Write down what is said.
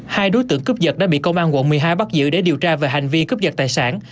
hai đối tượng cướp giật đã bị công an quận một mươi hai bắt giữ để điều tra về hành vi cướp giật tài sản